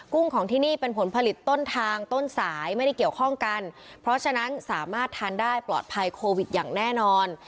ุ้งของที่นี่เป็นผลผลิตต้นทางต้นสายไม่ได้เกี่ยวข้องกันเพราะฉะนั้นสามารถทานได้ปลอดภัยโควิดอย่างแน่นอน